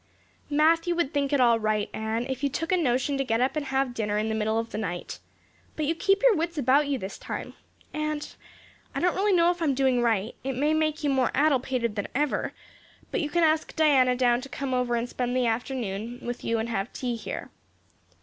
"Matthew would think it all right, Anne, if you took a notion to get up and have dinner in the middle of the night. But you keep your wits about you this time. And I don't really know if I'm doing right it may make you more addlepated than ever but you can ask Diana to come over and spend the afternoon with you and have tea here."